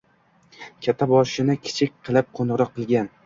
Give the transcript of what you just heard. Katta boshini kichik qilib qo‘ng‘iroq qilgan